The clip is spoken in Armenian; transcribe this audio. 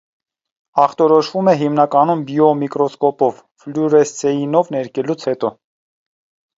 Ախտորոշվում է հիմնականում բիոմիկրոսկոպով, ֆլյուրեսցեինով ներկելուց հետո։